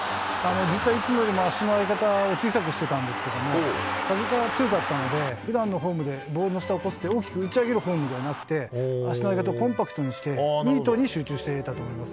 実はいつもよりも足の上げ方を小さくしてたんですけども、風が強かったので、ふだんのフォームでボールの下をこすって大きく打ち上げるフォームではなくて、足の上げ方をコンパクトにして、ミートに集中して打てたと思います。